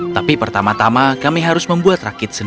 tapi pertama tama kami harus membuat perhubungan